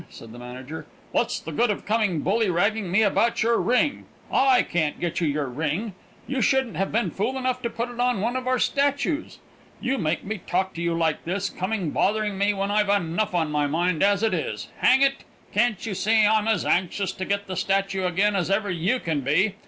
said the manager. "What's the good of coming bully ragging me about your ring? I can't get you your ring! You shouldn't have been fool enough to put it on one of our statues. You make me talk to you like this, coming bothering when I've enough on my mind as it is! Hang it! Can't you see I'm as anxious to get that statue again as ever you can be?